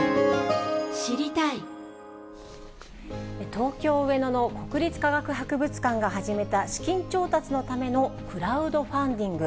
東京・上野の国立科学博物館が始めた資金調達のためのクラウドファンディング。